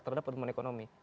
terhadap perumahan ekonomi